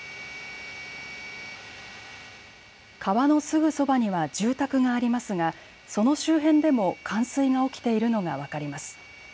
川のすぐそばには住宅がありますがその周辺でも冠水が起きているのが分かります。